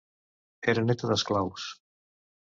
Era neta d'esclaus.